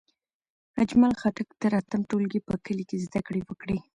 اجمل خټک تر اتم ټولګی په کلي کې زدکړې وکړې.